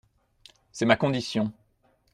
C’est ma condition !